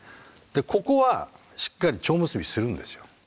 ここはしっかりちょう結びするんですよ。